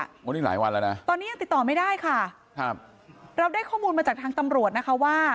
วันนี้หลายวันแล้วนะตอนนี้ยังติดต่อไม่ได้ค่ะครับเราได้ข้อมูลมาจากทางตำรวจนะคะว่า